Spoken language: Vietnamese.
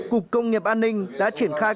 cục công nghiệp an ninh đã triển khai